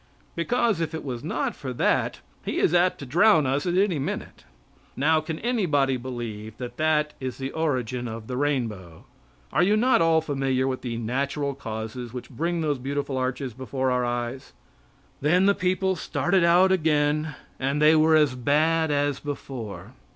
Because if it was not for that He is apt to drown us at any moment. Now can anybody believe that that is the origin of the rainbow? Are you not all familiar with the natural causes which bring those beautiful arches before our eyes? Then the people started out again, and they were as bad as before.